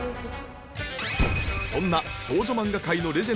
そんな少女漫画界のレジェンドが選ぶ